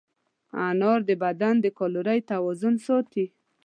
انار د بدن د کالورۍ توازن ساتي.